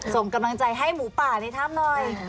ส่งกำลังใจให้หมูป่าในถ้ำหน่อย